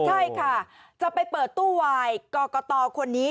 ใช่ค่ะจะไปเปิดตู้วายกรกตคนนี้